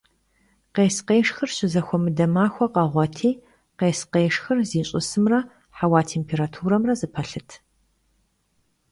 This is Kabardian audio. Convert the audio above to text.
Khês - khêşşxır şızexuemıde maxue kheğueti khês - khêşşxır ziş'ısımre heua têmpêraturemre zepelhıt.